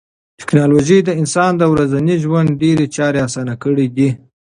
ټکنالوژي د انسان د ورځني ژوند ډېری چارې اسانه کړې دي.